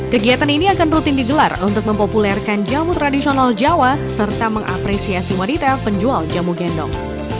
kegiatan ini akan rutin digelar untuk mempopulerkan jamu tradisional jawa serta mengapresiasi wanita penjual jamu gendong